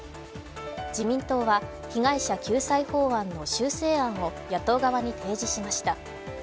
自民党は被害者救済法案の修正案を野党側に提示しました。